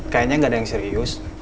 kayanya gak ada yang serius